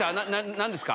何ですか？